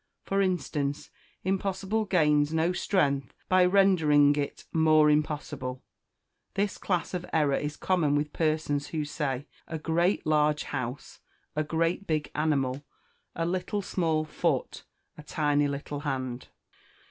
For instance, impossible gains no strength by rendering it more impossible. This class of error is common with persons who say, "A great large house," "A great big animal," "A little small foot," "A tiny little hand."